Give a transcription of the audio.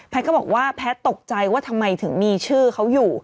ก็บอกว่าแพทย์ตกใจว่าทำไมถึงมีชื่อเขาอยู่